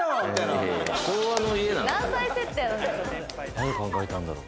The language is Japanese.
誰考えたんだろう？